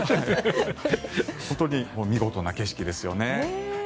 本当に見事な景色ですよね。